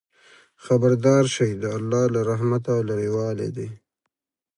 خبردار شئ! د الله له رحمته لرېوالی دی.